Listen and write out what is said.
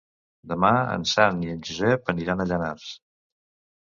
Demà en Sam i en Josep aniran a Llanars.